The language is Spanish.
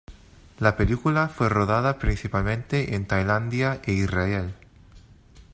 La película fue rodada principalmente en Tailandia e Israel.